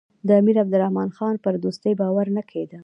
د امیر عبدالرحمن خان پر دوستۍ باور نه کېده.